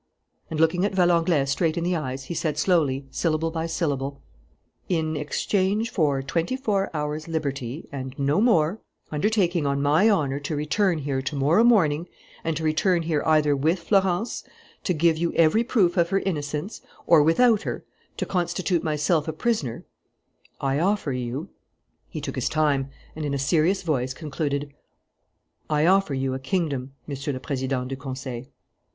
And, looking Valenglay straight in the eyes, he said slowly, syllable by syllable: "In exchange for twenty four hours' liberty and no more, undertaking on my honour to return here to morrow morning and to return here either with Florence, to give you every proof of her innocence, or without her, to constitute myself a prisoner, I offer you " He took his time and, in a serious voice, concluded: "I offer you a kingdom, Monsieur le Président du Conseil."